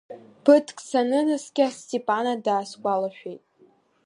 Ԥыҭк санынаскьа, Сҭиԥана дысгәалашәеит.